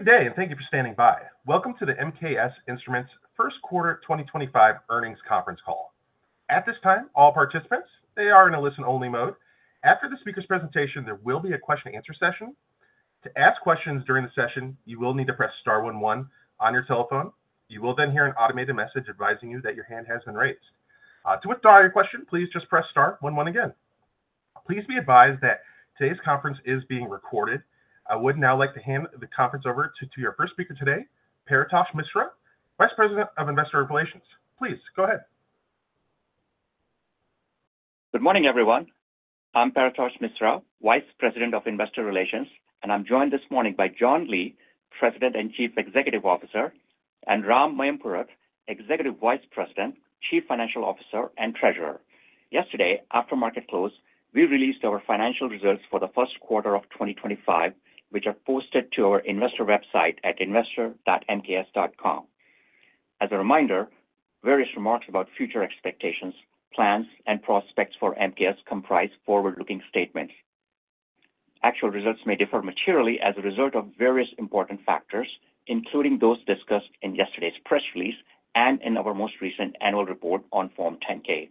Good day, and thank you for standing by. Welcome to the MKS Instruments' first quarter 2025 earnings conference call. At this time, all participants, they are in a listen-only mode. After the speaker's presentation, there will be a question-and-answer session. To ask questions during the session, you will need to press star one one on your telephone. You will then hear an automated message advising you that your hand has been raised. To withdraw your question, please just press star one one again. Please be advised that today's conference is being recorded. I would now like to hand the conference over to your first speaker today, Paretosh Misra, Vice President of Investor Relations. Please go ahead. Good morning, everyone. I'm Paretosh Misra, Vice President of Investor Relations, and I'm joined this morning by John Lee, President and Chief Executive Officer, and Ram Mayampurath, Executive Vice President, Chief Financial Officer, and Treasurer. Yesterday, after market close, we released our financial results for the first quarter of 2025, which are posted to our investor website at investor.mks.com. As a reminder, various remarks about future expectations, plans, and prospects for MKS comprise forward-looking statements. Actual results may differ materially as a result of various important factors, including those discussed in yesterday's press release and in our most recent annual report on Form 10-K.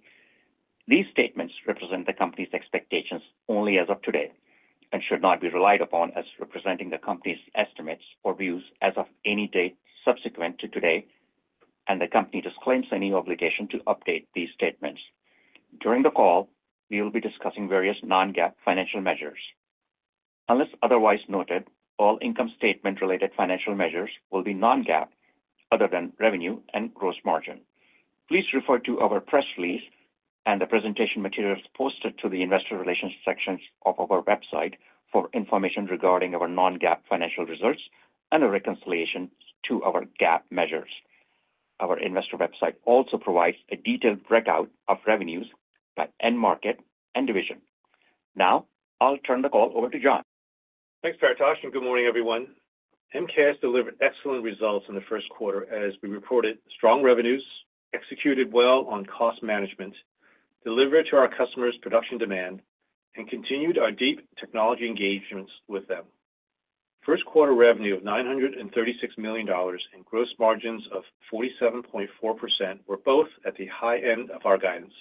These statements represent the company's expectations only as of today and should not be relied upon as representing the company's estimates or views as of any date subsequent to today, and the company disclaims any obligation to update these statements. During the call, we will be discussing various Non-GAAP financial measures. Unless otherwise noted, all income statement-related financial measures will be Non-GAAP other than revenue and gross margin. Please refer to our press release and the presentation materials posted to the Investor Relations section of our website for information regarding our Non-GAAP financial results and the reconciliation to our GAAP measures. Our investor website also provides a detailed breakout of revenues by end market and division. Now, I'll turn the call over to John. Thanks, Paretosh, and good morning, everyone. MKS delivered excellent results in the first quarter as we reported strong revenues, executed well on cost management, delivered to our customers' production demand, and continued our deep technology engagements with them. First quarter revenue of $936 million and gross margins of 47.4% were both at the high end of our guidance.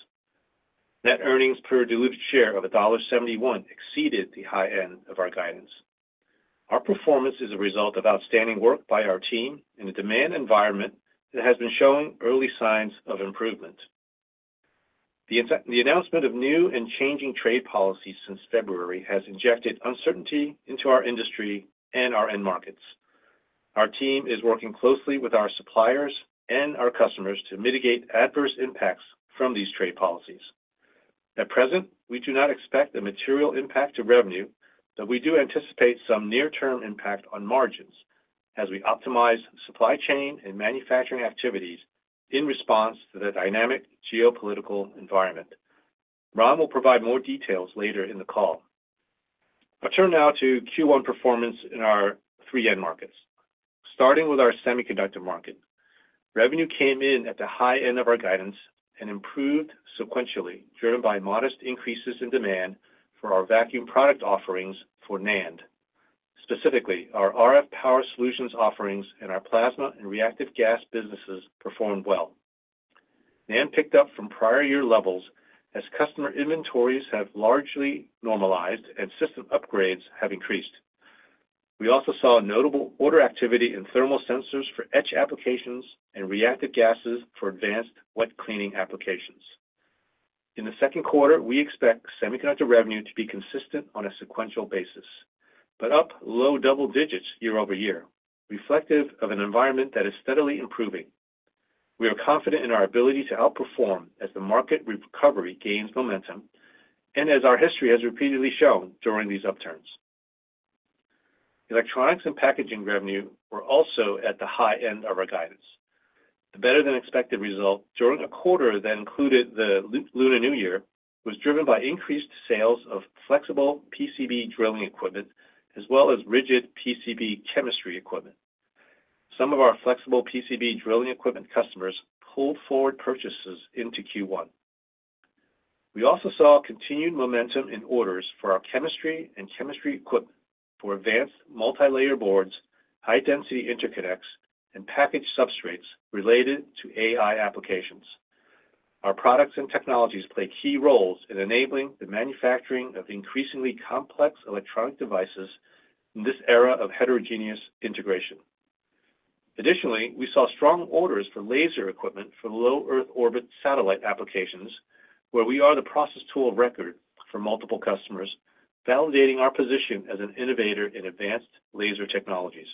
Net earnings per delivered share of $1.71 exceeded the high end of our guidance. Our performance is a result of outstanding work by our team in a demand environment that has been showing early signs of improvement. The announcement of new and changing trade policies since February has injected uncertainty into our industry and our end markets. Our team is working closely with our suppliers and our customers to mitigate adverse impacts from these trade policies. At present, we do not expect a material impact to revenue, but we do anticipate some near-term impact on margins as we optimize supply chain and manufacturing activities in response to the dynamic geopolitical environment. Ram will provide more details later in the call. I'll turn now to Q1 performance in our three end markets. Starting with our semiconductor market, revenue came in at the high end of our guidance and improved sequentially driven by modest increases in demand for our vacuum product offerings for NAND. Specifically, our RF power solutions offerings and our plasma and reactive gas businesses performed well. NAND picked up from prior year levels as customer inventories have largely normalized and system upgrades have increased. We also saw notable order activity in thermal sensors for etch applications and reactive gases for advanced wet cleaning applications. In the second quarter, we expect semiconductor revenue to be consistent on a sequential basis, but up low double digits year-over-year, reflective of an environment that is steadily improving. We are confident in our ability to outperform as the market recovery gains momentum and as our history has repeatedly shown during these upturns. Electronics and packaging revenue were also at the high end of our guidance. The better-than-expected result during a quarter that included the Lunar New Year was driven by increased sales of flexible PCB drilling equipment as well as rigid PCB chemistry equipment. Some of our flexible PCB drilling equipment customers pulled forward purchases into Q1. We also saw continued momentum in orders for our chemistry and chemistry equipment for advanced multi-layer boards, high-density interconnects, and package substrates related to AI applications. Our products and technologies play key roles in enabling the manufacturing of increasingly complex electronic devices in this era of heterogeneous integration. Additionally, we saw strong orders for laser equipment for low Earth orbit satellite applications, where we are the process tool of record for multiple customers, validating our position as an innovator in advanced laser technologies.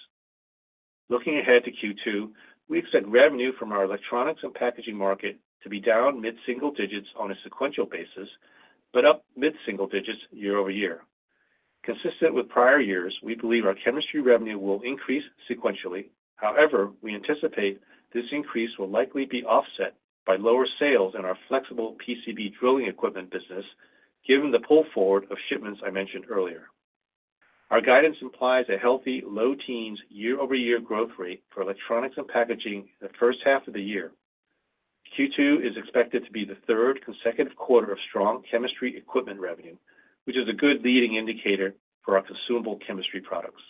Looking ahead to Q2, we expect revenue from our electronics and packaging market to be down mid-single digits on a sequential basis, but up mid-single digits year-over-year. Consistent with prior years, we believe our chemistry revenue will increase sequentially. However, we anticipate this increase will likely be offset by lower sales in our flexible PCB drilling equipment business, given the pull forward of shipments I mentioned earlier. Our guidance implies a healthy low teens year-over-year growth rate for electronics and packaging in the first half of the year. Q2 is expected to be the third consecutive quarter of strong chemistry equipment revenue, which is a good leading indicator for our consumable chemistry products.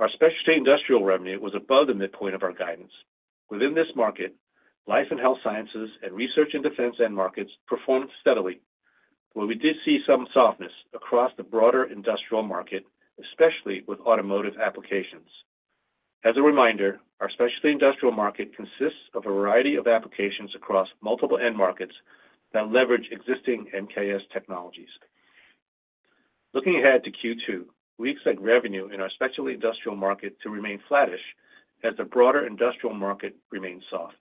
Our specialty industrial revenue was above the midpoint of our guidance. Within this market, life and health sciences and research and defense end markets performed steadily, but we did see some softness across the broader industrial market, especially with automotive applications. As a reminder, our specialty industrial market consists of a variety of applications across multiple end markets that leverage existing MKS technologies. Looking ahead to Q2, we expect revenue in our specialty industrial market to remain flattish as the broader industrial market remains soft.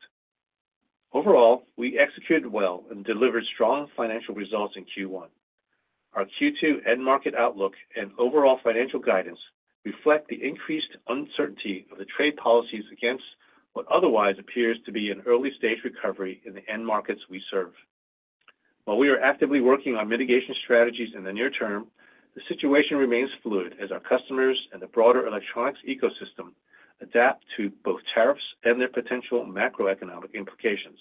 Overall, we executed well and delivered strong financial results in Q1. Our Q2 end market outlook and overall financial guidance reflect the increased uncertainty of the trade policies against what otherwise appears to be an early-stage recovery in the end markets we serve. While we are actively working on mitigation strategies in the near term, the situation remains fluid as our customers and the broader electronics ecosystem adapt to both tariffs and their potential macroeconomic implications.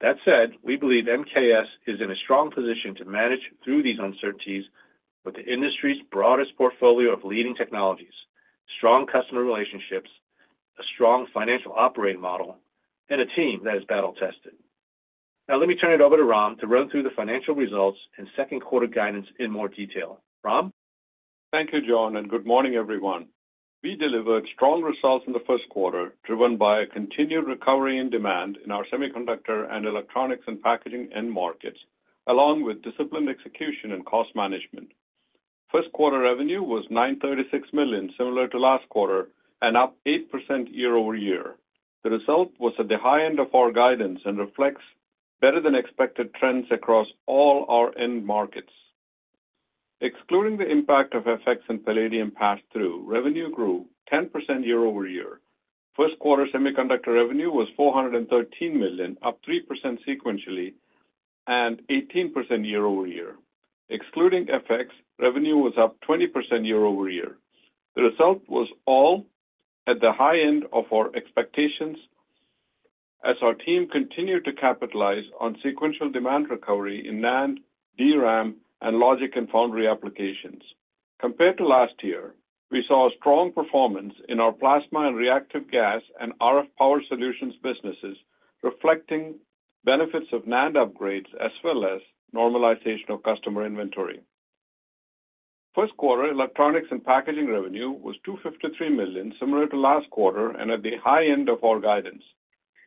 That said, we believe MKS is in a strong position to manage through these uncertainties with the industry's broadest portfolio of leading technologies, strong customer relationships, a strong financial operating model, and a team that is battle-tested. Now, let me turn it over to Ram to run through the financial results and second quarter guidance in more detail. Ram? Thank you, John, and good morning, everyone. We delivered strong results in the first quarter, driven by a continued recovery in demand in our semiconductor and electronics and packaging end markets, along with disciplined execution and cost management. First quarter revenue was $936 million, similar to last quarter, and up 8% year-over-year. The result was at the high end of our guidance and reflects better-than-expected trends across all our end markets. Excluding the impact of FX and palladium pass-through, revenue grew 10% year-over-year. First quarter semiconductor revenue was $413 million, up 3% sequentially, and 18% year-over-year. Excluding FX, revenue was up 20% year-over-year. The result was all at the high end of our expectations as our team continued to capitalize on sequential demand recovery in NAND, DRAM, and logic and foundry applications. Compared to last year, we saw strong performance in our plasma and reactive gas and RF power solutions businesses, reflecting benefits of NAND upgrades as well as normalization of customer inventory. First quarter electronics and packaging revenue was $253 million, similar to last quarter, and at the high end of our guidance.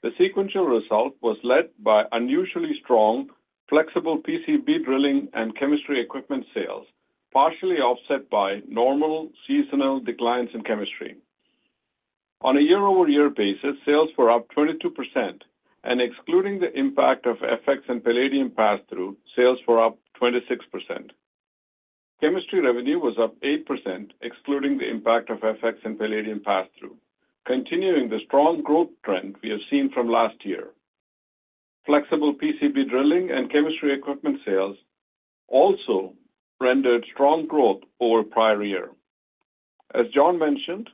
The sequential result was led by unusually strong flexible PCB drilling and chemistry equipment sales, partially offset by normal seasonal declines in chemistry. On a year-over-year basis, sales were up 22%, and excluding the impact of FX and palladium pass-through, sales were up 26%. Chemistry revenue was up 8%, excluding the impact of FX and palladium pass-through, continuing the strong growth trend we have seen from last year. Flexible PCB drilling and chemistry equipment sales also rendered strong growth over prior year. As John mentioned,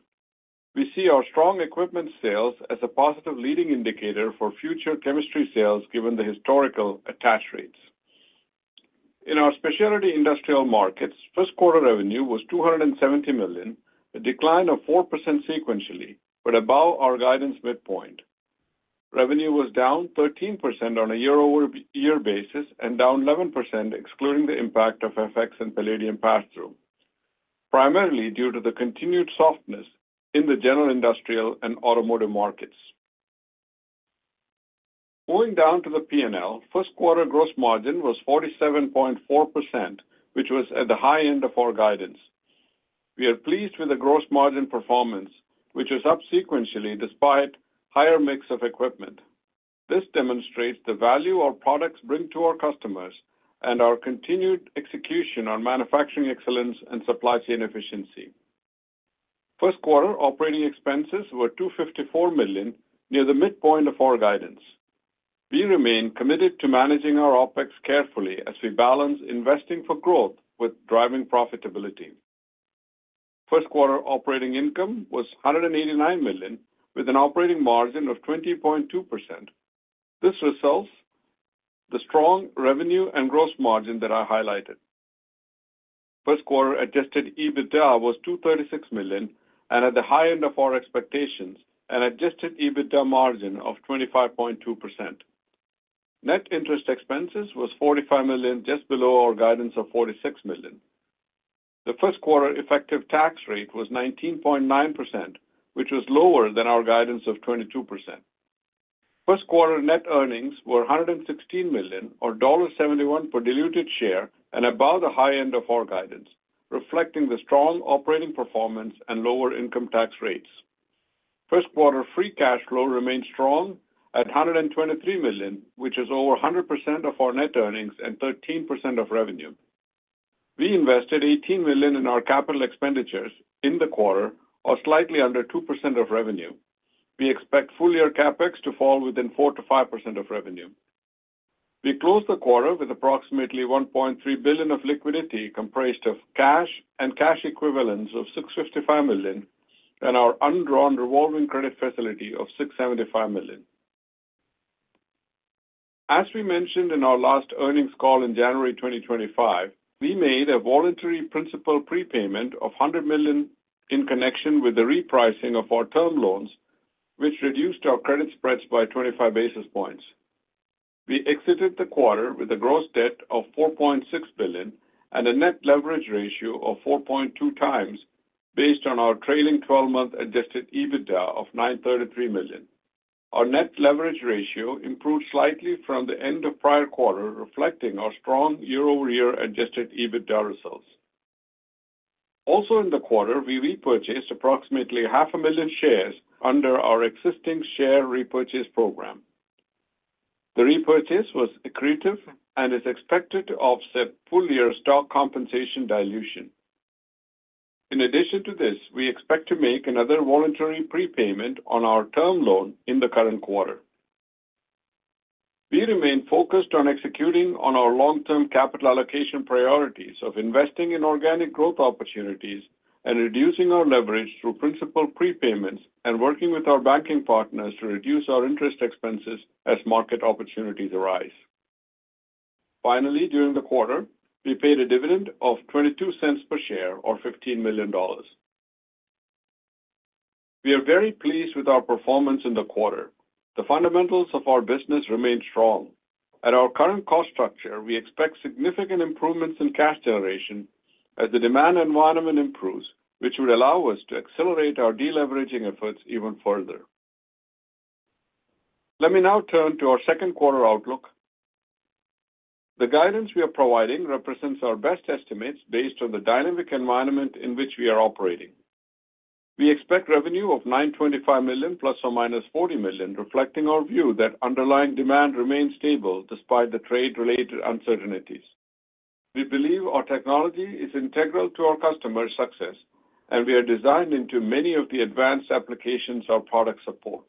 we see our strong equipment sales as a positive leading indicator for future chemistry sales given the historical attach rates. In our specialty industrial markets, first quarter revenue was $270 million, a decline of 4% sequentially, but above our guidance midpoint. Revenue was down 13% on a year-over-year basis and down 11%, excluding the impact of FX and palladium pass-through, primarily due to the continued softness in the general industrial and automotive markets. Moving down to the P&L, first quarter gross margin was 47.4%, which was at the high end of our guidance. We are pleased with the gross margin performance, which was up sequentially despite a higher mix of equipment. This demonstrates the value our products bring to our customers and our continued execution on manufacturing excellence and supply chain efficiency. First quarter operating expenses were $254 million, near the midpoint of our guidance. We remain committed to managing our OpEx carefully as we balance investing for growth with driving profitability. First quarter operating income was $189 million, with an operating margin of 20.2%. This results in the strong revenue and gross margin that I highlighted. First quarter adjusted EBITDA was $236 million, and at the high end of our expectations, an adjusted EBITDA margin of 25.2%. Net interest expenses were $45 million, just below our guidance of $46 million. The first quarter effective tax rate was 19.9%, which was lower than our guidance of 22%. First quarter net earnings were $116 million, or $1.71 per diluted share, and above the high end of our guidance, reflecting the strong operating performance and lower income tax rates. First quarter free cash flow remained strong at $123 million, which is over 100% of our net earnings and 13% of revenue. We invested $18 million in our capital expenditures in the quarter, or slightly under 2% of revenue. We expect full-year CapEx to fall within 4%-5% of revenue. We closed the quarter with approximately $1.3 billion of liquidity comprised of cash and cash equivalents of $655 million and our undrawn revolving credit facility of $675 million. As we mentioned in our last earnings call in January 2025, we made a voluntary principal prepayment of $100 million in connection with the repricing of our term loans, which reduced our credit spreads by 25 basis points. We exited the quarter with a gross debt of $4.6 billion and a net leverage ratio of 4.2x based on our trailing 12-month adjusted EBITDA of $933 million. Our net leverage ratio improved slightly from the end of prior quarter, reflecting our strong year-over-year adjusted EBITDA results. Also, in the quarter, we repurchased approximately 500,000 shares under our existing share repurchase program. The repurchase was accretive and is expected to offset full-year stock compensation dilution. In addition to this, we expect to make another voluntary prepayment on our term loan in the current quarter. We remain focused on executing on our long-term capital allocation priorities of investing in organic growth opportunities and reducing our leverage through principal prepayments and working with our banking partners to reduce our interest expenses as market opportunities arise. Finally, during the quarter, we paid a dividend of $0.22 per share, or $15 million. We are very pleased with our performance in the quarter. The fundamentals of our business remain strong. At our current cost structure, we expect significant improvements in cash generation as the demand environment improves, which would allow us to accelerate our deleveraging efforts even further. Let me now turn to our second quarter outlook. The guidance we are providing represents our best estimates based on the dynamic environment in which we are operating. We expect revenue of $925 million ± $40 million, reflecting our view that underlying demand remains stable despite the trade-related uncertainties. We believe our technology is integral to our customers' success, and we are designed into many of the advanced applications our products support.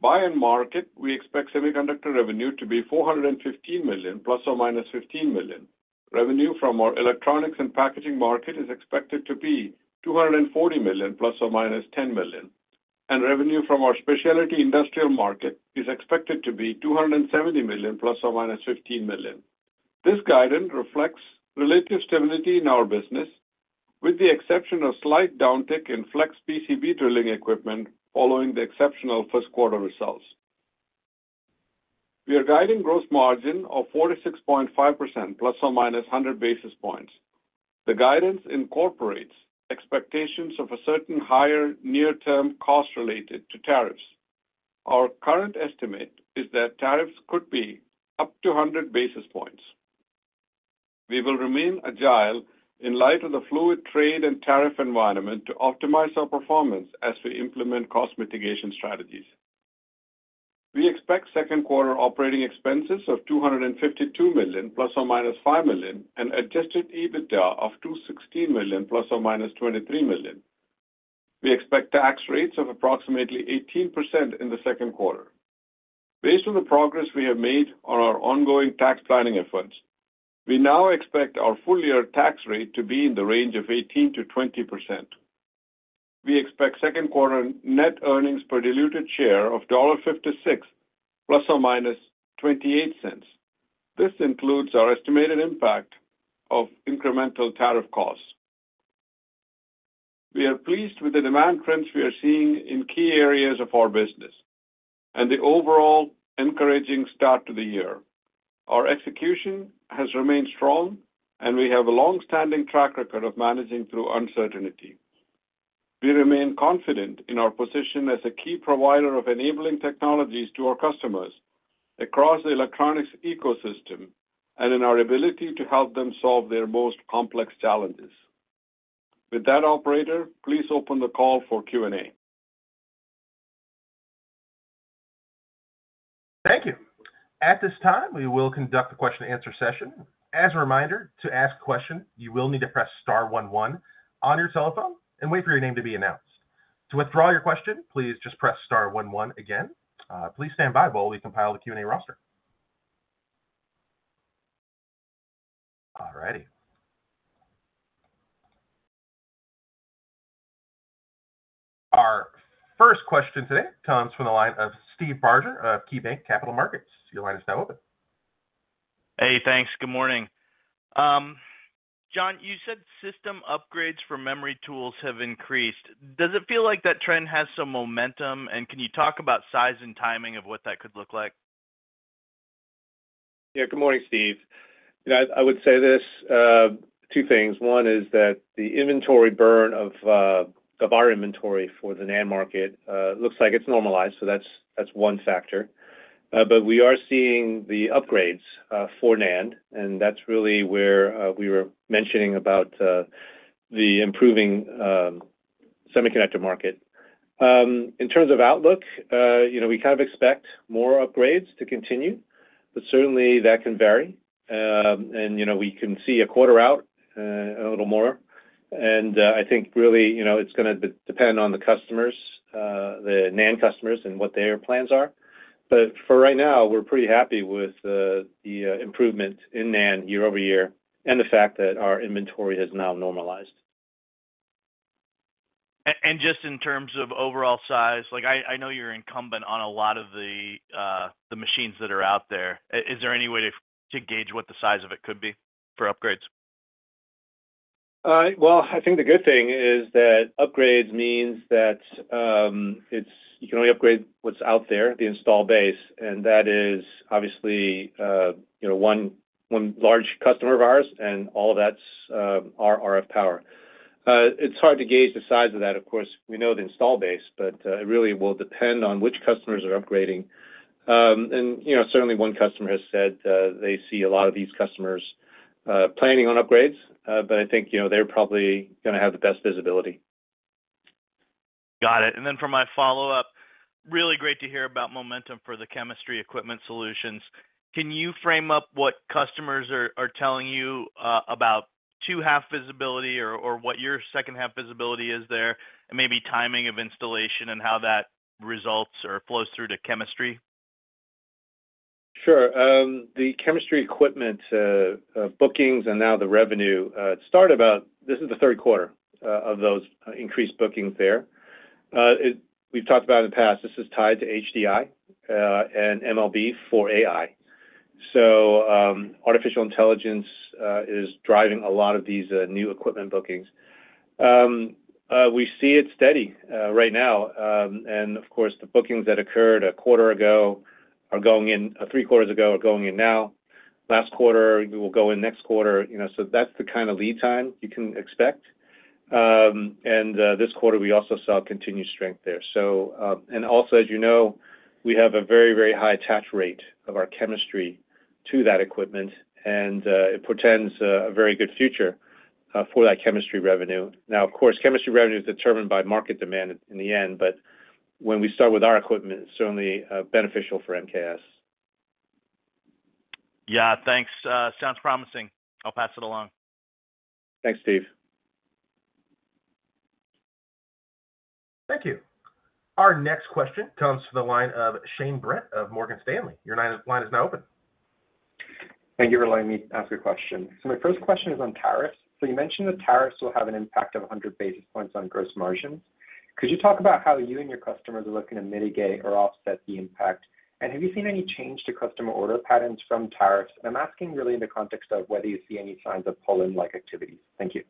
By end market, we expect semiconductor revenue to be $415 million ± $15 million. Revenue from our electronics and packaging market is expected to be $240 million ± $10 million, and revenue from our specialty industrial market is expected to be $270 million ± $15 million. This guidance reflects relative stability in our business, with the exception of a slight downtick in flex PCB drilling equipment following the exceptional first quarter results. We are guiding gross margin of 46.5% ± 100 basis points. The guidance incorporates expectations of a certain higher near-term cost related to tariffs. Our current estimate is that tariffs could be up to 100 basis points. We will remain agile in light of the fluid trade and tariff environment to optimize our performance as we implement cost mitigation strategies. We expect second quarter operating expenses of $252 million ± $5 million and adjusted EBITDA of $216 million ± $23 million. We expect tax rates of approximately 18% in the second quarter. Based on the progress we have made on our ongoing tax planning efforts, we now expect our full-year tax rate to be in the range of 18%-20%. We expect second quarter net earnings per diluted share of $1.56 ± $0.28. This includes our estimated impact of incremental tariff costs. We are pleased with the demand trends we are seeing in key areas of our business and the overall encouraging start to the year. Our execution has remained strong, and we have a long-standing track record of managing through uncertainty. We remain confident in our position as a key provider of enabling technologies to our customers across the electronics ecosystem and in our ability to help them solve their most complex challenges. With that, operator, please open the call for Q&A. Thank you. At this time, we will conduct the question-and-answer session. As a reminder, to ask a question, you will need to press star one one on your telephone and wait for your name to be announced. To withdraw your question, please just press star one one again. Please stand by while we compile the Q&A roster. All righty. Our first question today comes from the line of Steve Barger of KeyBanc Capital Markets. Your line is now open. Hey, thanks. Good morning. John, you said system upgrades for memory tools have increased. Does it feel like that trend has some momentum, and can you talk about size and timing of what that could look like? Yeah, good morning, Steve. I would say this, two things. One is that the inventory burn of our inventory for the NAND market looks like it's normalized, so that's one factor. We are seeing the upgrades for NAND, and that's really where we were mentioning about the improving semiconductor market. In terms of outlook, we kind of expect more upgrades to continue, but certainly that can vary. We can see a quarter out a little more. I think really it's going to depend on the customers, the NAND customers, and what their plans are. For right now, we're pretty happy with the improvement in NAND year-over-year and the fact that our inventory has now normalized. Just in terms of overall size, I know you're incumbent on a lot of the machines that are out there. Is there any way to gauge what the size of it could be for upgrades? I think the good thing is that upgrades means that you can only upgrade what's out there, the install base. That is obviously one large customer of ours, and all of that's our RF power. It's hard to gauge the size of that. Of course, we know the install base, but it really will depend on which customers are upgrading. Certainly, one customer has said they see a lot of these customers planning on upgrades, but I think they're probably going to have the best visibility. Got it. For my follow-up, really great to hear about momentum for the chemistry equipment solutions. Can you frame up what customers are telling you about second-half visibility or what your second-half visibility is there and maybe timing of installation and how that results or flows through to chemistry? Sure. The chemistry equipment bookings and now the revenue, it started about this is the third quarter of those increased bookings there. We've talked about in the past, this is tied to HDI and MLB for AI. So Artificial Intelligence is driving a lot of these new equipment bookings. We see it steady right now. Of course, the bookings that occurred a quarter ago are going in, three quarters ago are going in now. Last quarter will go in next quarter. That's the kind of lead time you can expect. This quarter, we also saw continued strength there. Also, as you know, we have a very, very high attach rate of our chemistry to that equipment, and it portends a very good future for that chemistry revenue. Now, of course, chemistry revenue is determined by market demand in the end, but when we start with our equipment, it's certainly beneficial for MKS. Yeah, thanks. Sounds promising. I'll pass it along. Thanks, Steve. Thank you. Our next question comes from the line of Shane Brett of Morgan Stanley. Your line is now open. Thank you for letting me ask a question. My first question is on tariffs. You mentioned that tariffs will have an impact of 100 basis points on gross margins. Could you talk about how you and your customers are looking to mitigate or offset the impact? Have you seen any change to customer order patterns from tariffs? I am asking really in the context of whether you see any signs of pollen-like activities. Thank you.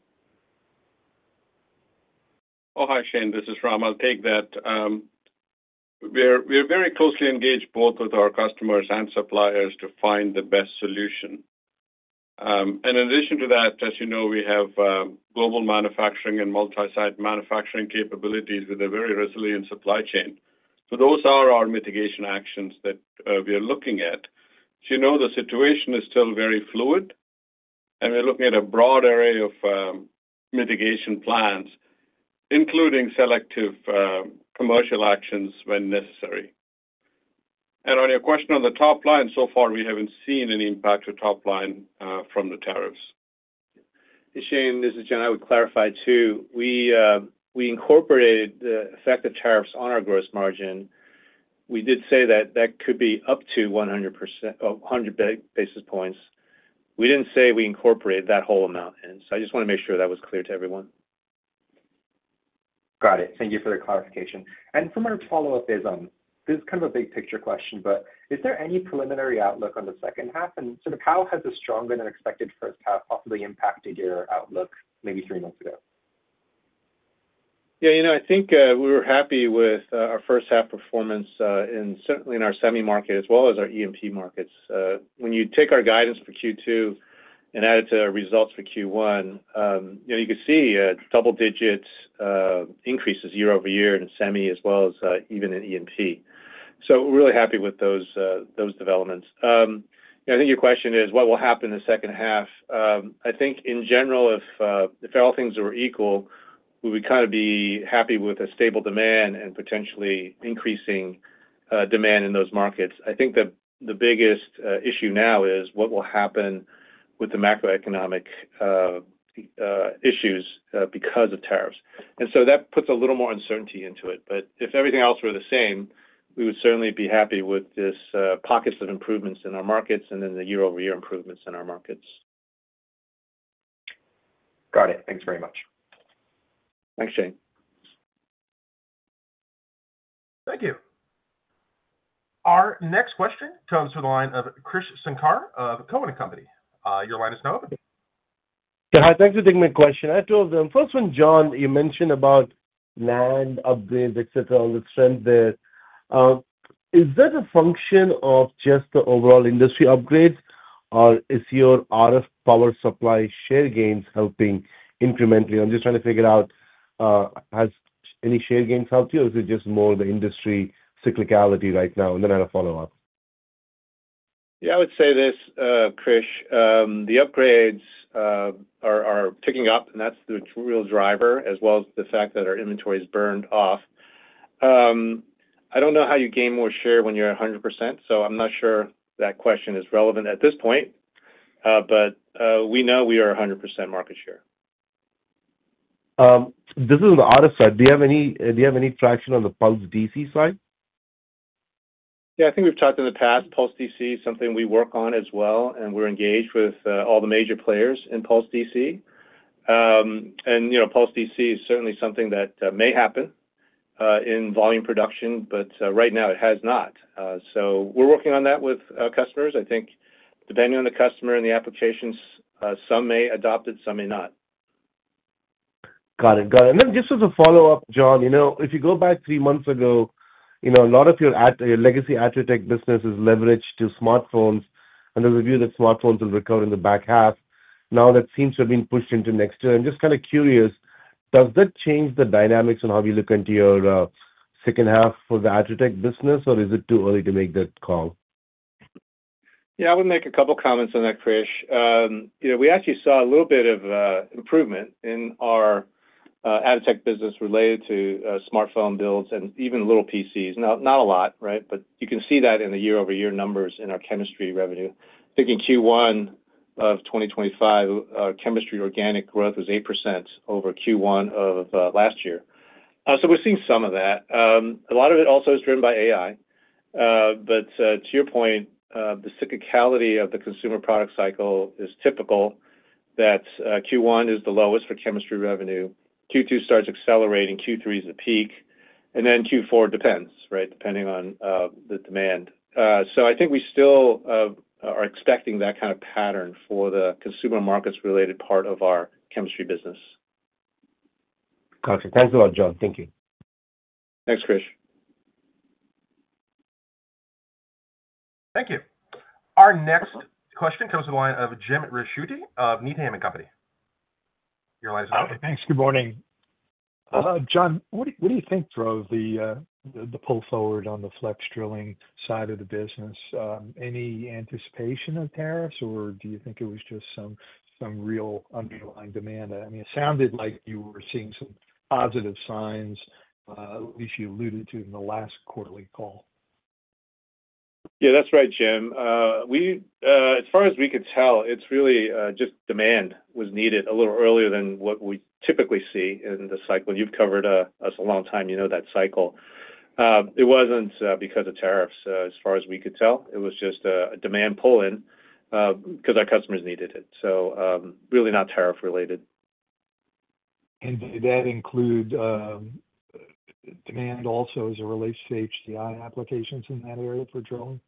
Oh, hi, Shane. This is Ram. Take that. We are very closely engaged both with our customers and suppliers to find the best solution. In addition to that, as you know, we have global manufacturing and multi-site manufacturing capabilities with a very resilient supply chain. Those are our mitigation actions that we are looking at. As you know, the situation is still very fluid, and we're looking at a broad array of mitigation plans, including selective commercial actions when necessary. On your question on the top line, so far, we haven't seen any impact to top line from the tariffs. Shane, this is John. I would clarify too. We incorporated the effective tariffs on our gross margin. We did say that that could be up to 100 basis points. We did not say we incorporate that whole amount in. I just want to make sure that was clear to everyone. Got it. Thank you for the clarification. For my follow-up, this is kind of a big picture question, but is there any preliminary outlook on the second half? Sort of how has the stronger than expected first half possibly impacted your outlook maybe three months ago? Yeah, I think we were happy with our first half performance and certainly in our semi market as well as our EMP markets. When you take our guidance for Q2 and add it to our results for Q1, you could see double-digit increases year-over-year in semi as well as even in EMP. So we're really happy with those developments. I think your question is, what will happen in the second half? I think in general, if all things were equal, we would kind of be happy with a stable demand and potentially increasing demand in those markets. I think the biggest issue now is what will happen with the macroeconomic issues because of tariffs. That puts a little more uncertainty into it. If everything else were the same, we would certainly be happy with these pockets of improvements in our markets and then the year-over-year improvements in our markets. Got it. Thanks very much. Thanks, Shane. Thank you. Our next question comes from the line of Krish Sankar of Cowen and Company. Your line is now open. Yeah, hi. Thanks for taking my question. I have two of them. First one, John, you mentioned about NAND upgrades, etc., all the strength there. Is that a function of just the overall industry upgrades, or is your RF power supply share gains helping incrementally? I'm just trying to figure out, has any share gains helped you, or is it just more the industry cyclicality right now? I have a follow-up. Yeah, I would say this, Krish. The upgrades are ticking up, and that's the real driver, as well as the fact that our inventory is burned off. I don't know how you gain more share when you're at 100%, so I'm not sure that question is relevant at this point, but we know we are 100% market share. This is the other side. Do you have any traction on the Pulsed DC side? Yeah, I think we've talked in the past. Pulsed DC is something we work on as well, and we're engaged with all the major players in Pulsed DC. Pulsed DC is certainly something that may happen in volume production, but right now it has not. We're working on that with customers. I think depending on the customer and the applications, some may adopt it, some may not. Got it. Got it. Just as a follow-up, John, if you go back three months ago, a lot of your legacy AtriTech business is leveraged to smartphones, and there is a view that smartphones will recover in the back half. Now that seems to have been pushed into next year. I am just kind of curious, does that change the dynamics on how we look into your second half for the AtriTech business, or is it too early to make that call? Yeah, I would make a couple of comments on that, Krish. We actually saw a little bit of improvement in our AtriTech business related to smartphone builds and even little PCs. Not a lot, right? But you can see that in the year-over-year numbers in our chemistry revenue. I think in Q1 of 2025, our chemistry organic growth was 8% over Q1 of last year. So we're seeing some of that. A lot of it also is driven by AI. To your point, the cyclicality of the consumer product cycle is typical that Q1 is the lowest for chemistry revenue. Q2 starts accelerating. Q3 is the peak. Q4 depends, right, depending on the demand. I think we still are expecting that kind of pattern for the consumer markets-related part of our chemistry business. Gotcha. Thanks a lot, John. Thank you. Thanks, Krish. Thank you. Our next question comes from the line of Jim Ricchiuti of Needham & Company. Your line is now open. Hi, thanks. Good morning. John, what do you think drove the pull forward on the flex drilling side of the business? Any anticipation of tariffs, or do you think it was just some real underlying demand? I mean, it sounded like you were seeing some positive signs, at least you alluded to in the last quarterly call. Yeah, that's right, Jim. As far as we could tell, it's really just demand was needed a little earlier than what we typically see in the cycle. You've covered us a long time. You know that cycle. It wasn't because of tariffs, as far as we could tell. It was just a demand pull-in because our customers needed it. Really not tariff-related. Did that include demand also as it relates to HDI applications in that area for drilling?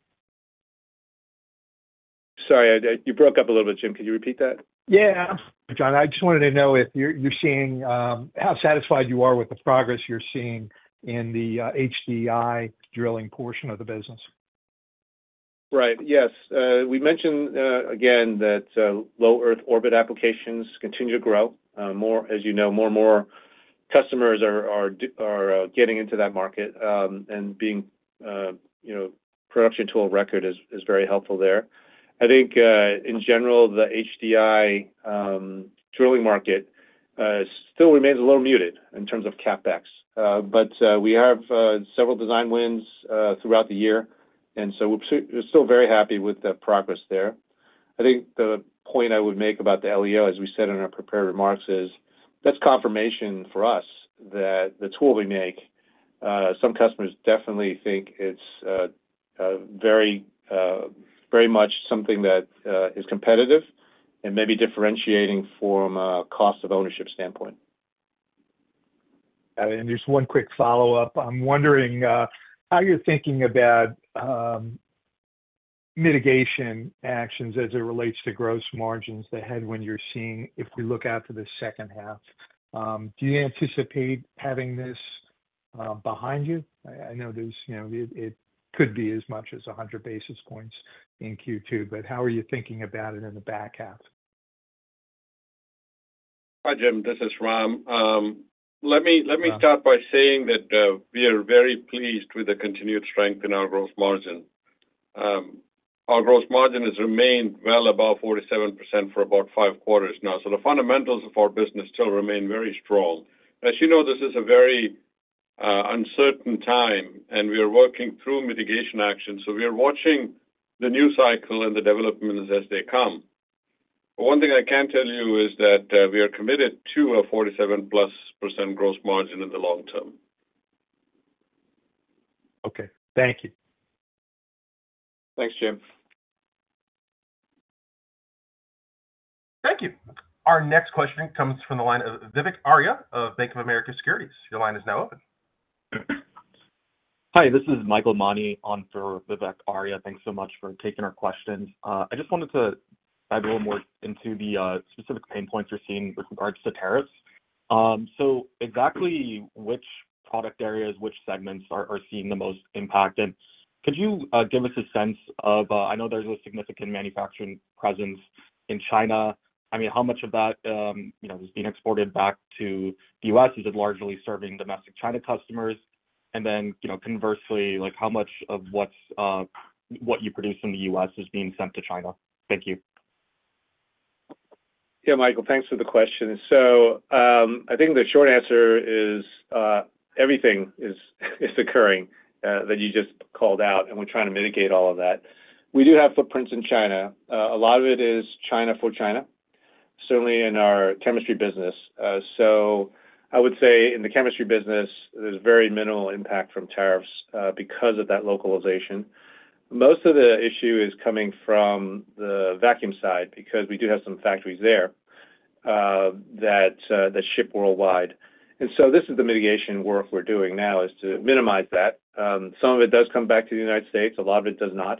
Sorry, you broke up a little bit, Jim. Could you repeat that? Yeah, I'm sorry, John. I just wanted to know if you're seeing how satisfied you are with the progress you're seeing in the HDI drilling portion of the business. Right. Yes. We mentioned again that low Earth orbit applications continue to grow. As you know, more and more customers are getting into that market, and being production to a record is very helpful there. I think in general, the HDI drilling market still remains a little muted in terms of CapEx. We have several design wins throughout the year, and we are still very happy with the progress there. I think the point I would make about the LEO, as we said in our prepared remarks, is that is confirmation for us that the tool we make, some customers definitely think it is very much something that is competitive and maybe differentiating from a cost of ownership standpoint. Just one quick follow-up. I'm wondering how you're thinking about mitigation actions as it relates to gross margins ahead when you're seeing if we look out to the second half. Do you anticipate having this behind you? I know it could be as much as 100 basis points in Q2, but how are you thinking about it in the back half? Hi, Jim. This is Ram. Let me start by saying that we are very pleased with the continued strength in our gross margin. Our gross margin has remained well above 47% for about five quarters now. The fundamentals of our business still remain very strong. As you know, this is a very uncertain time, and we are working through mitigation actions. We are watching the news cycle and the developments as they come. One thing I can tell you is that we are committed to a 47%+ gross margin in the long term. Okay. Thank you. Thanks, Jim. Thank you. Our next question comes from the line of Vivek Arya of Bank of America Securities. Your line is now open. Hi, this is Michael Mani on for Vivek Arya. Thanks so much for taking our questions. I just wanted to dive a little more into the specific pain points you're seeing with regards to tariffs. So exactly which product areas, which segments are seeing the most impact? And could you give us a sense of I know there's a significant manufacturing presence in China. I mean, how much of that is being exported back to the U.S.? Is it largely serving domestic China customers? And then conversely, how much of what you produce in the U.S. is being sent to China? Thank you. Yeah, Michael, thanks for the question. I think the short answer is everything is occurring that you just called out, and we're trying to mitigate all of that. We do have footprints in China. A lot of it is China for China, certainly in our chemistry business. I would say in the chemistry business, there's very minimal impact from tariffs because of that localization. Most of the issue is coming from the vacuum side because we do have some factories there that ship worldwide. This is the mitigation work we're doing now to minimize that. Some of it does come back to the United States. A lot of it does not.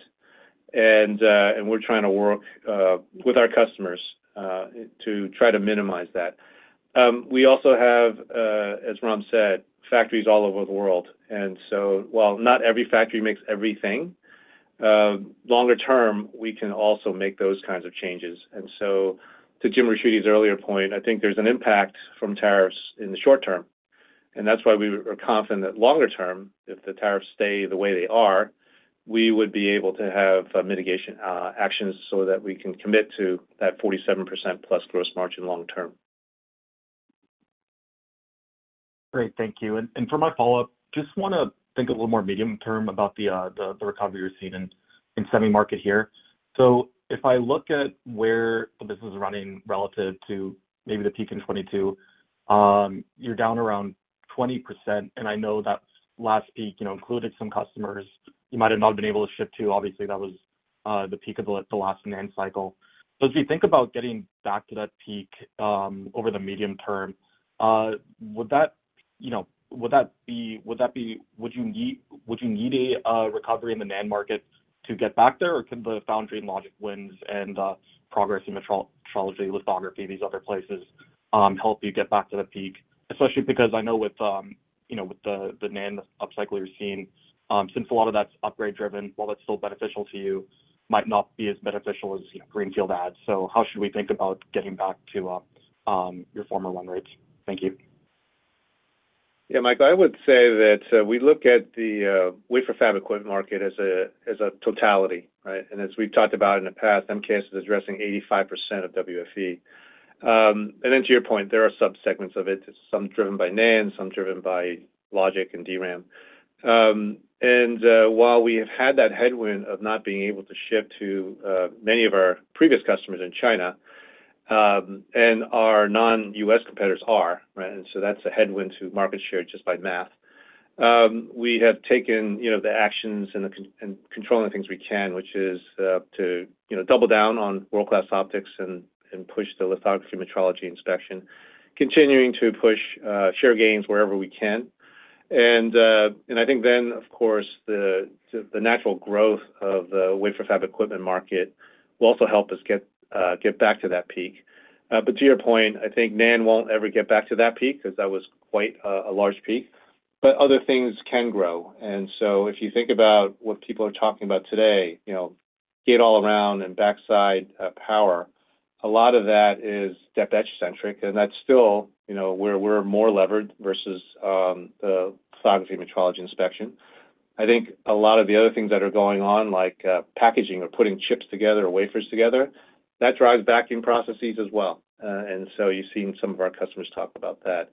We're trying to work with our customers to try to minimize that. We also have, as Ram said, factories all over the world. While not every factory makes everything, longer term, we can also make those kinds of changes. To Jim Ricchiuti's earlier point, I think there is an impact from tariffs in the short term. That is why we are confident that longer term, if the tariffs stay the way they are, we would be able to have mitigation actions so that we can commit to that 47%+ gross margin long term. Great. Thank you. For my follow-up, just want to think a little more medium term about the recovery we're seeing in the semi market here. If I look at where the business is running relative to maybe the peak in 2022, you're down around 20%. I know that last peak included some customers you might have not been able to ship to. Obviously, that was the peak of the last NAND cycle. If you think about getting back to that peak over the medium term, would that be, would you need a recovery in the NAND market to get back there, or can the foundry and logic wins and progress in metrology, lithography, these other places help you get back to the peak? Especially because I know with the NAND upcycle you're seeing, since a lot of that's upgrade-driven, while that's still beneficial to you, might not be as beneficial as greenfield adds. How should we think about getting back to your former run rates? Thank you. Yeah, Michael, I would say that we look at the wafer fab equipment market as a totality, right? As we've talked about in the past, MKS is addressing 85% of WFE. To your point, there are subsegments of it. It's some driven by NAND, some driven by logic and DRAM. While we have had that headwind of not being able to ship to many of our previous customers in China, our non-U.S. competitors are, right? That's a headwind to market share just by math. We have taken the actions and controlling the things we can, which is to double down on world-class optics and push the lithography metrology inspection, continuing to push share gains wherever we can. I think the natural growth of the wafer fab equipment market will also help us get back to that peak. To your point, I think NAND won't ever get back to that peak because that was quite a large peak. Other things can grow. If you think about what people are talking about today, gate-all-around and backside power, a lot of that is etch-centric. That is still where we're more levered versus the lithography, metrology, inspection. I think a lot of the other things that are going on, like packaging or putting chips together, wafers together, that drives vacuum processes as well. You have seen some of our customers talk about that.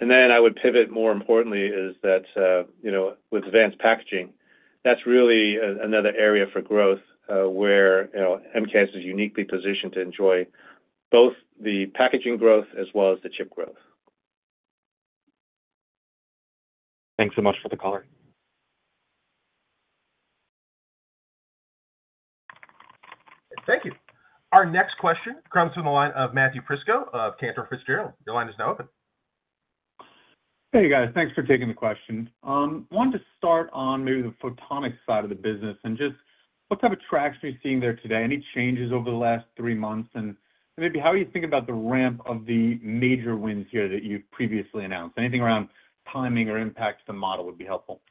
I would pivot, more importantly, that with advanced packaging, that's really another area for growth where MKS is uniquely positioned to enjoy both the packaging growth as well as the chip growth. Thanks so much for the call. Thank you. Our next question comes from the line of Matthew Prisco of Cantor Fitzgerald. Your line is now open. Hey, guys. Thanks for taking the question. I wanted to start on maybe the photonics side of the business and just what type of traction you're seeing there today. Any changes over the last three months? Maybe how are you thinking about the ramp of the major wins here that you've previously announced? Anything around timing or impact to the model would be helpful.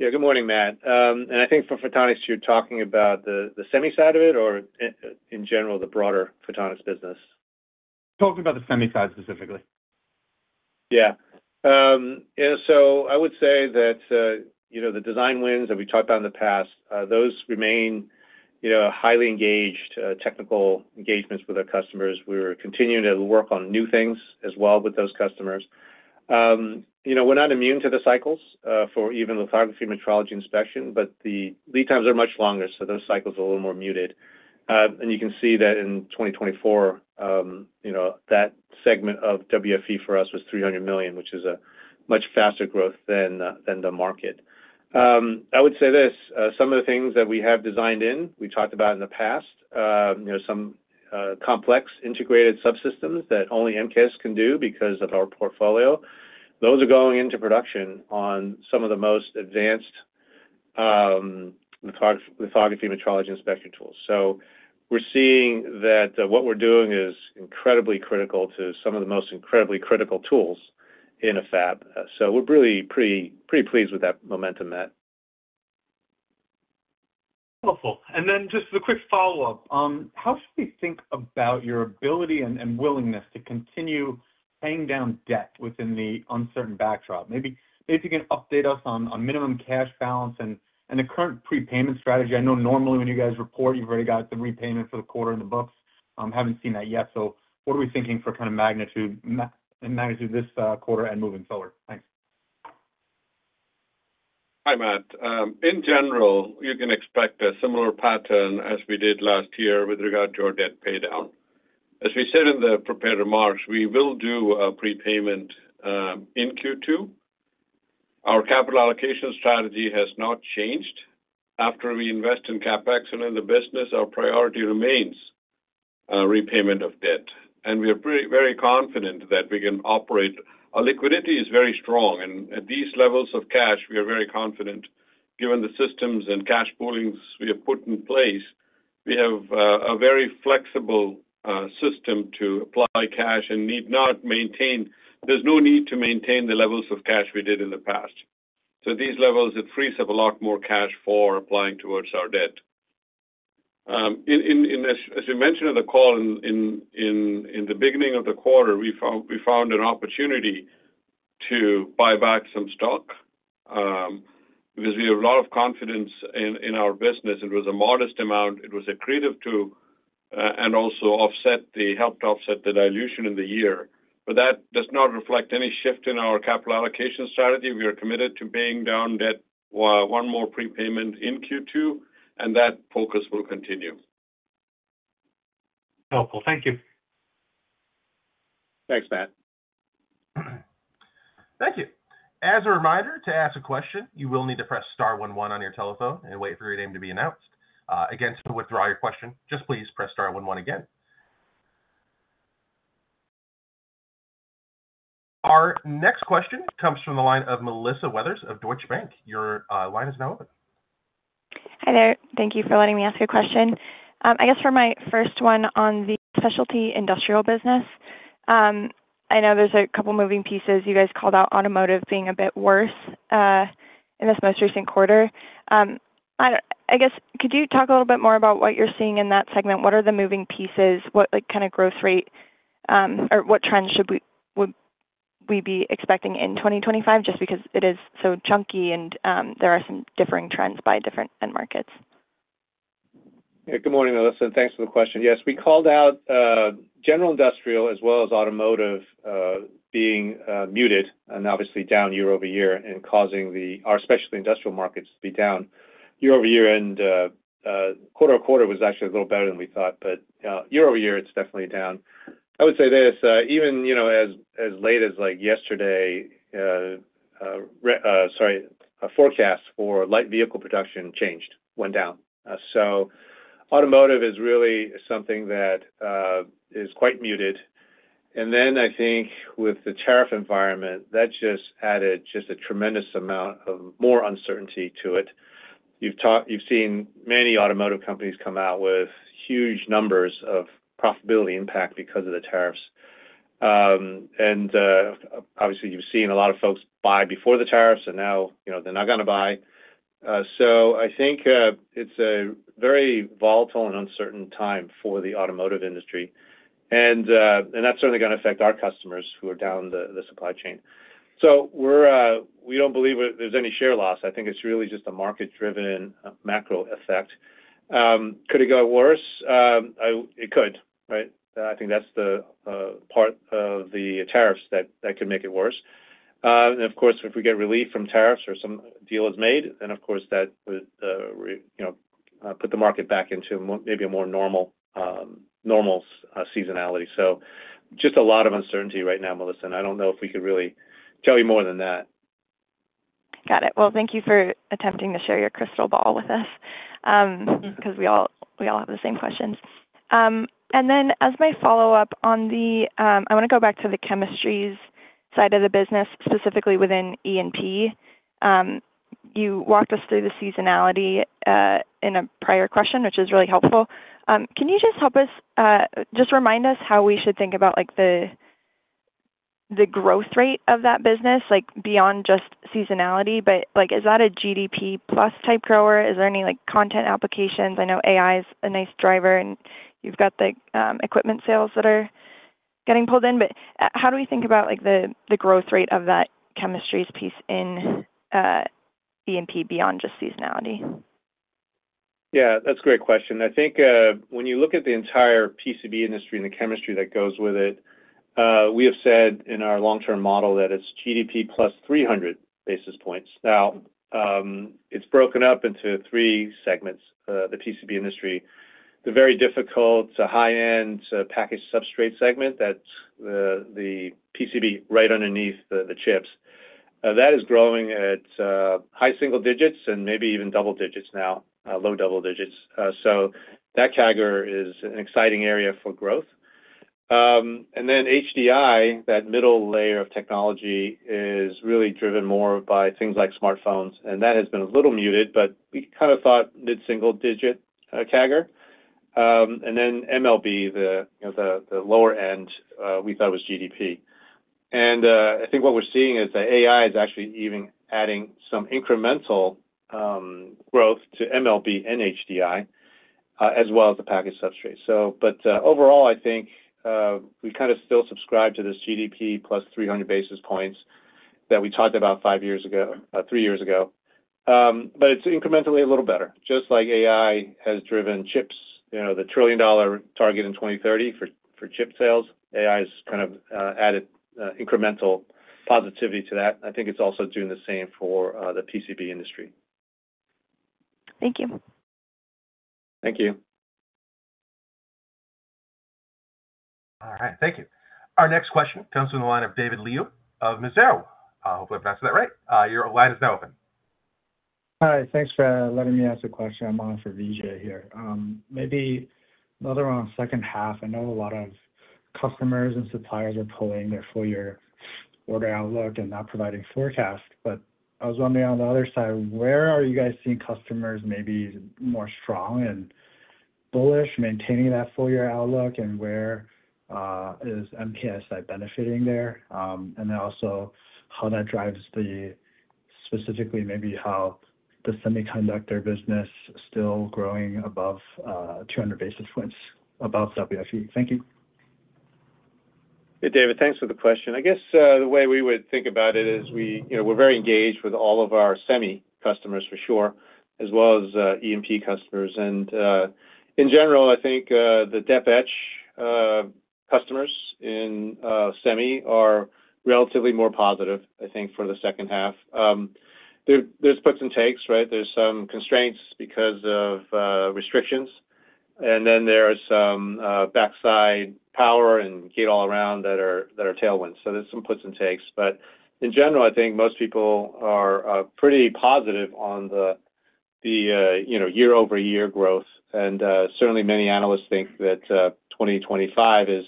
Yeah, good morning, Matt. I think for photonics, you're talking about the semi side of it or in general the broader photonics business? Talking about the semi side specifically. Yeah. I would say that the design wins that we talked about in the past, those remain highly engaged technical engagements with our customers. We're continuing to work on new things as well with those customers. We're not immune to the cycles for even lithography metrology inspection, but the lead times are much longer. Those cycles are a little more muted. You can see that in 2024, that segment of WFE for us was $300 million, which is a much faster growth than the market. I would say this. Some of the things that we have designed in, we talked about in the past, some complex integrated subsystems that only MKS can do because of our portfolio, those are going into production on some of the most advanced lithography metrology inspection tools. We're seeing that what we're doing is incredibly critical to some of the most incredibly critical tools in a fab. We're really pretty pleased with that momentum, Matt. Helpful. Just a quick follow-up. How should we think about your ability and willingness to continue paying down debt within the uncertain backdrop? Maybe you can update us on minimum cash balance and the current prepayment strategy. I know normally when you guys report, you've already got the repayment for the quarter in the books. I have not seen that yet. What are we thinking for kind of magnitude this quarter and moving forward? Thanks. Hi, Matt. In general, you can expect a similar pattern as we did last year with regard to our debt paydown. As we said in the prepared remarks, we will do a prepayment in Q2. Our capital allocation strategy has not changed. After we invest in CapEx and in the business, our priority remains repayment of debt. We are very confident that we can operate. Our liquidity is very strong. At these levels of cash, we are very confident given the systems and cash poolings we have put in place. We have a very flexible system to apply cash and need not maintain; there is no need to maintain the levels of cash we did in the past. At these levels, it frees up a lot more cash for applying towards our debt. As we mentioned in the call in the beginning of the quarter, we found an opportunity to buy back some stock because we have a lot of confidence in our business. It was a modest amount. It was a creative tool and also helped offset the dilution in the year. That does not reflect any shift in our capital allocation strategy. We are committed to paying down debt, one more prepayment in Q2, and that focus will continue. Helpful. Thank you. Thanks, Matt. Thank you. As a reminder, to ask a question, you will need to press star one one on your telephone and wait for your name to be announced. Again, to withdraw your question, just please press star one one again. Our next question comes from the line of Melissa Weathers of Deutsche Bank. Your line is now open. Hi there. Thank you for letting me ask a question. I guess for my first one on the specialty industrial business, I know there are a couple of moving pieces. You guys called out automotive being a bit worse in this most recent quarter. I guess, could you talk a little bit more about what you are seeing in that segment? What are the moving pieces? What kind of growth rate or what trends should we be expecting in 2025 just because it is so chunky and there are some differing trends by different markets? Yeah, good morning, Melissa. Thanks for the question. Yes, we called out general industrial as well as automotive being muted and obviously down year-over-year and causing our specialty industrial markets to be down year-over-year. Quarter-to-quarter was actually a little better than we thought. year-over-year, it's definitely down. I would say this. Even as late as yesterday, sorry, a forecast for light vehicle production changed, went down. Automotive is really something that is quite muted. I think with the tariff environment, that just added just a tremendous amount of more uncertainty to it. You've seen many automotive companies come out with huge numbers of profitability impact because of the tariffs. Obviously, you've seen a lot of folks buy before the tariffs, and now they're not going to buy. I think it's a very volatile and uncertain time for the automotive industry. That's certainly going to affect our customers who are down the supply chain. We don't believe there's any share loss. I think it's really just a market-driven macro effect. Could it go worse? It could, right? I think that's the part of the tariffs that could make it worse. Of course, if we get relief from tariffs or some deal is made, then of course that would put the market back into maybe a more normal seasonality. Just a lot of uncertainty right now, Melissa. I don't know if we could really tell you more than that. Got it. Thank you for attempting to share your crystal ball with us because we all have the same questions. As my follow-up, I want to go back to the chemistries side of the business, specifically within E&P. You walked us through the seasonality in a prior question, which is really helpful. Can you just help us, just remind us how we should think about the growth rate of that business beyond just seasonality? Is that a GDP plus type grower? Is there any content applications? I know AI is a nice driver, and you have got the equipment sales that are getting pulled in. How do we think about the growth rate of that chemistries piece in E&P beyond just seasonality? Yeah, that's a great question. I think when you look at the entire PCB industry and the chemistry that goes with it, we have said in our long-term model that it's GDP plus 300 basis points. Now, it's broken up into three segments, the PCB industry. The very difficult, high-end package substrate segment, that's the PCB right underneath the chips. That is growing at high single digits and maybe even double digits now, low double digits. So that CAGR is an exciting area for growth. And then HDI, that middle layer of technology, is really driven more by things like smartphones. And that has been a little muted, but we kind of thought mid-single digit CAGR. And then MLB, the lower end, we thought was GDP. I think what we're seeing is that AI is actually even adding some incremental growth to MLB and HDI as well as the package substrate. Overall, I think we kind of still subscribe to this GDP plus 300 basis points that we talked about three years ago. It is incrementally a little better. Just like AI has driven chips, the trillion-dollar target in 2030 for chip sales, AI has kind of added incremental positivity to that. I think it is also doing the same for the PCB industry. Thank you. Thank you. All right. Thank you. Our next question comes from the line of David Liu of Mizuho. I hope I've answered that right. Your line is now open. Hi. Thanks for letting me ask a question. I'm on for Vijay here. Maybe later on second half, I know a lot of customers and suppliers are pulling their full-year order outlook and not providing forecasts. I was wondering on the other side, where are you guys seeing customers maybe more strong and bullish, maintaining that full-year outlook? Where is MKS benefiting there? Also, how that drives the specifically maybe how the semiconductor business is still growing above 200 basis points above WFE. Thank you. Hey, David. Thanks for the question. I guess the way we would think about it is we're very engaged with all of our semi customers for sure, as well as E&P customers. In general, I think the depth etch customers in semi are relatively more positive, I think, for the second half. There's puts and takes, right? There's some constraints because of restrictions. Then there are some backside power and gate all around that are tailwinds. So there's some puts and takes. In general, I think most people are pretty positive on the year-over-year growth. Certainly, many analysts think that 2025 is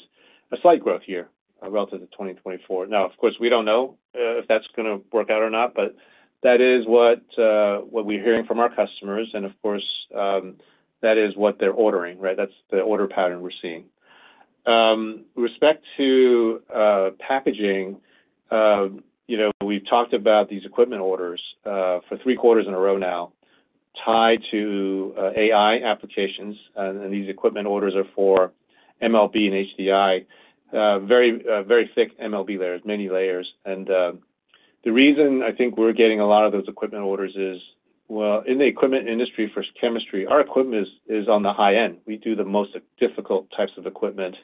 a slight growth year relative to 2024. Now, of course, we don't know if that's going to work out or not, but that is what we're hearing from our customers. Of course, that is what they're ordering, right? That's the order pattern we're seeing. With respect to packaging, we've talked about these equipment orders for three quarters in a row now tied to AI applications. These equipment orders are for MLB and HDI, very thick MLB layers, many layers. The reason I think we're getting a lot of those equipment orders is, in the equipment industry for chemistry, our equipment is on the high end. We do the most difficult types of equipment.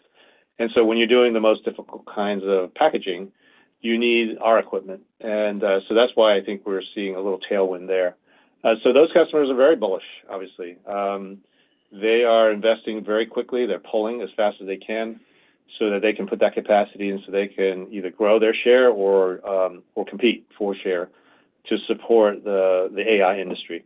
When you're doing the most difficult kinds of packaging, you need our equipment. That's why I think we're seeing a little tailwind there. Those customers are very bullish, obviously. They are investing very quickly. They're pulling as fast as they can so that they can put that capacity in so they can either grow their share or compete for share to support the AI industry.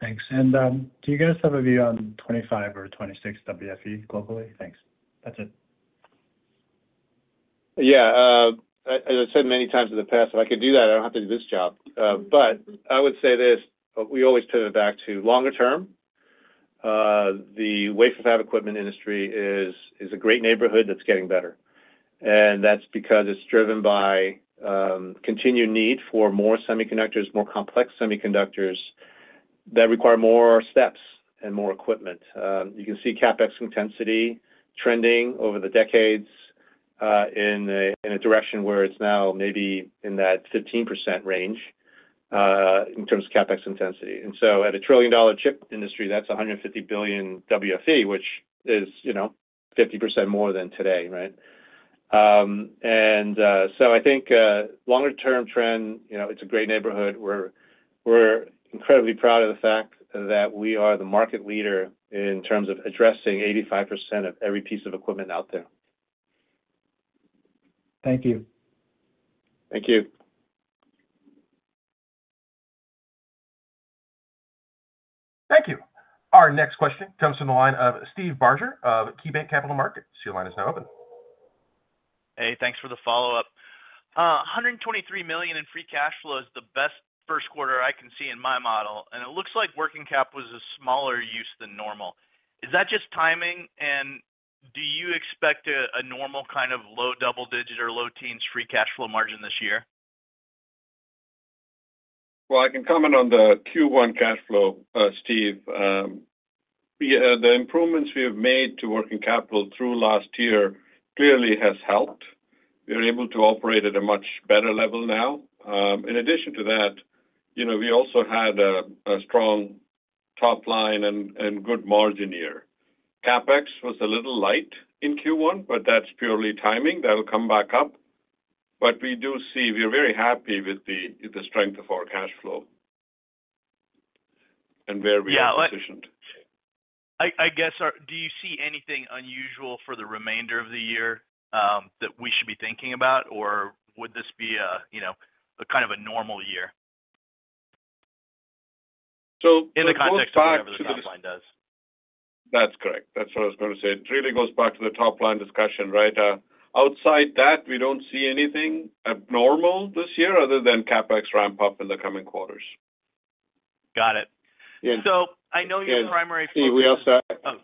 Thanks. Do you guys have a view on 2025 or 2026 WFE globally? Thanks. That's it. Yeah. As I've said many times in the past, if I could do that, I don't have to do this job. I would say this. We always pivot back to longer term. The wafer fab equipment industry is a great neighborhood that's getting better. That's because it's driven by continued need for more semiconductors, more complex semiconductors that require more steps and more equipment. You can see CapEx intensity trending over the decades in a direction where it's now maybe in that 15% range in terms of CapEx intensity. At a trillion-dollar chip industry, that's $150 billion WFE, which is 50% more than today, right? I think longer-term trend, it's a great neighborhood. We're incredibly proud of the fact that we are the market leader in terms of addressing 85% of every piece of equipment out there. Thank you. Thank you. Thank you. Our next question comes from the line of Steve Barger of KeyBanc Capital Markets. Your line is now open. Hey, thanks for the follow-up. $123 million in free cash flow is the best first quarter I can see in my model. It looks like working cap was a smaller use than normal. Is that just timing? Do you expect a normal kind of low double digit or low teens free cash flow margin this year? I can comment on the Q1 cash flow, Steve. The improvements we have made to working capital through last year clearly have helped. We are able to operate at a much better level now. In addition to that, we also had a strong top line and good margin year. CapEx was a little light in Q1, but that's purely timing. That'll come back up. We do see we are very happy with the strength of our cash flow and where we are positioned. Yeah. I guess, do you see anything unusual for the remainder of the year that we should be thinking about, or would this be a kind of a normal year in the context of what everyone does? That's correct. That's what I was going to say. It really goes back to the top line discussion, right? Outside that, we don't see anything abnormal this year other than CapEx ramp up in the coming quarters. Got it. I know your primary focus is.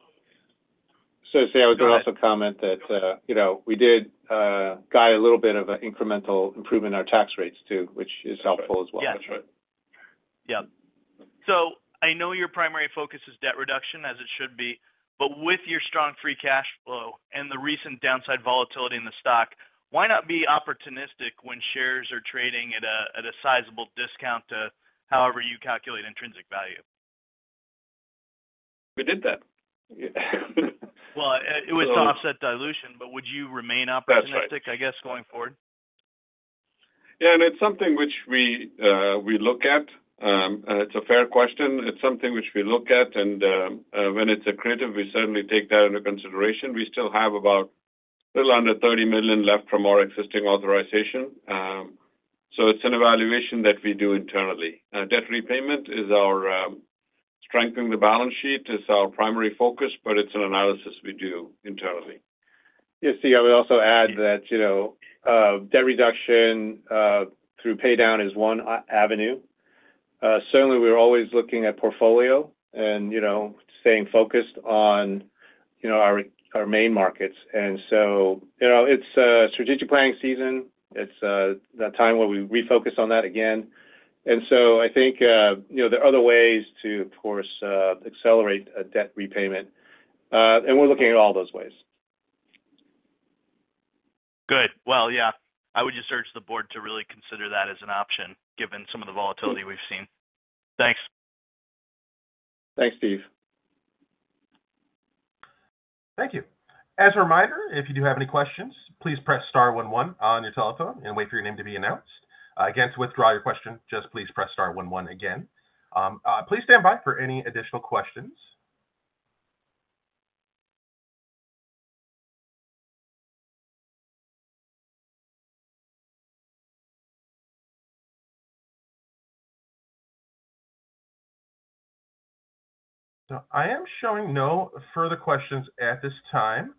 I was going to also comment that we did guide a little bit of an incremental improvement in our tax rates too, which is helpful as well. Yeah, that's right. Yeah. I know your primary focus is debt reduction, as it should be. With your strong free cash flow and the recent downside volatility in the stock, why not be opportunistic when shares are trading at a sizable discount to however you calculate intrinsic value? We did that. It was offset dilution, but would you remain opportunistic, I guess, going forward? Yeah. It is something which we look at. It is a fair question. It is something which we look at. When it is accredited, we certainly take that into consideration. We still have about a little under $30 million left from our existing authorization. It is an evaluation that we do internally. Debt repayment and strengthening the balance sheet is our primary focus, but it is an analysis we do internally. Yes, Steve. I would also add that debt reduction through pay down is one avenue. Certainly, we're always looking at portfolio and staying focused on our main markets. It is strategic planning season. It is that time where we refocus on that again. I think there are other ways to, of course, accelerate debt repayment. We are looking at all those ways. Good. Yeah. I would just urge the board to really consider that as an option given some of the volatility we've seen. Thanks. Thanks, Steve. Thank you. As a reminder, if you do have any questions, please press star one one on your telephone and wait for your name to be announced. Again, to withdraw your question, just please press star one one again. Please stand by for any additional questions. I am showing no further questions at this time.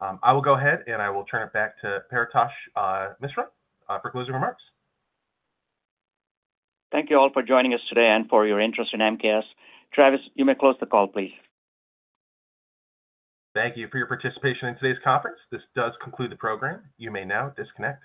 I will go ahead and I will turn it back to Paretosh Misra for closing remarks. Thank you all for joining us today and for your interest in MKS. Travis, you may close the call, please. Thank you for your participation in today's conference. This does conclude the program. You may now disconnect.